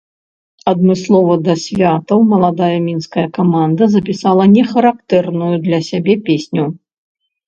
Адмыслова да святаў маладая мінская каманда запісала не характэрную для сябе песню.